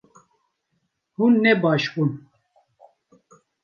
Hûn ne baş bûn